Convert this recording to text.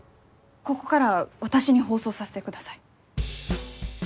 ここから私に放送させてください。